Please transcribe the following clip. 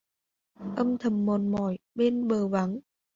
Âm thầm mòn mỏi bên bờ vắng,